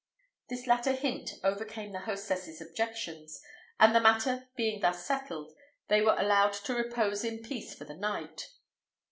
This latter hint overcame the hostess's objections, and the matter being thus settled, they were allowed to repose in peace for the night.